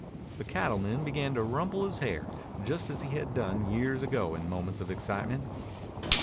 The cattleman began to rumple his hair, just as he had done years ago in moments of excitement.